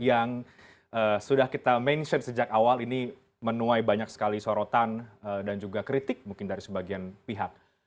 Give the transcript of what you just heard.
yang sudah kita mention sejak awal ini menuai banyak sekali sorotan dan juga kritik mungkin dari sebagian pihak